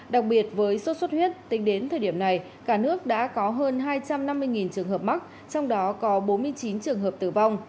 đặc biệt với sốt xuất huyết tính đến thời điểm này cả nước đã có hơn hai trăm năm mươi trường hợp mắc trong đó có bốn mươi chín trường hợp tử vong